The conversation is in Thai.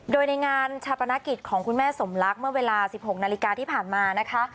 โดยในงานชาปนกิจของคุณแม่สมรักเมื่อเวลา๑๖นาฬิกาที่ผ่านมานะคะ